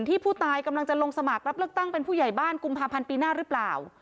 ที่ผู้ตายกำลังจะลงสมัครรับเลือกตั้งเป็นผู้ใหญ่บ้านกุมภาพันธ์ปีหน้าหรือเปล่า